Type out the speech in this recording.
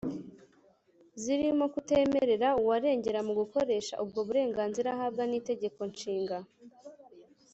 zirimo kutemerera uwarengera mu gukoresha ubwo burenganzira ahabwa n’Itegeko Nshinga